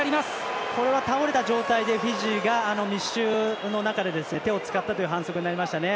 これは倒れた状態で密集の中で手を使ったという反則になりましたね。